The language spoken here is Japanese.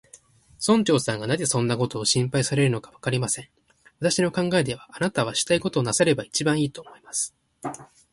村長さんがなぜそんなことを心配されるのか、わかりません。私の考えでは、あなたはしたいことをなさればいちばんいい、と思います。